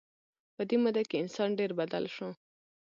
په دې موده کې انسان ډېر بدل شو.